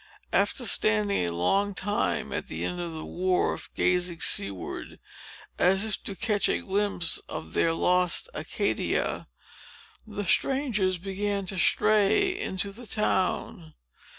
After standing a long time at the end of the wharf, gazing seaward, as if to catch a glimpse of their lost Acadia, the strangers began to stray into the town.